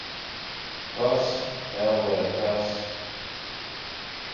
Kas, ellē, tas?